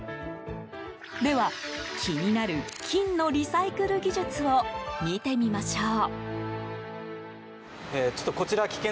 では、気になる金のリサイクル技術を見てみましょう。